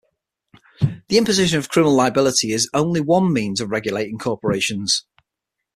The imposition of criminal liability is only one means of regulating corporations.